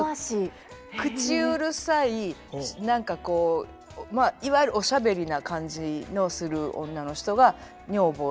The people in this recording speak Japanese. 口うるさい何かこうまあいわゆるおしゃべりな感じのする女の人が女房たちがよく出てきます。